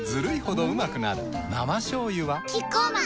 生しょうゆはキッコーマン